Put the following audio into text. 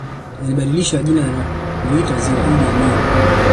Zilibadilisha jina na kuliita Ziwa Idi Amin